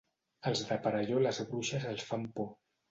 Als de Perelló les bruixes els fan por.